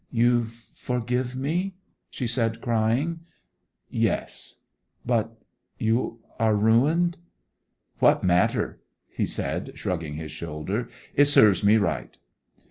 'You forgive me?' she said crying. 'Yes.' 'But you are ruined!' 'What matter!' he said shrugging his shoulders. 'It serves me right!